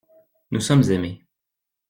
Nous sommes aimés.